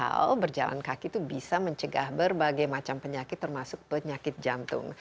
kalau berjalan kaki itu bisa mencegah berbagai macam penyakit termasuk penyakit jantung